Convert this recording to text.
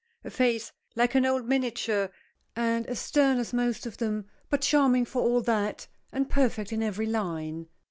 A face like an old miniature; and as stern as most of them, but charming for all that and perfect in every line.